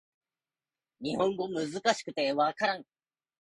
日本語難しくて分からん